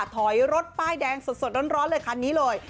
ถอยรถป้ายแดงสดร้อนเลยคันนี้เลย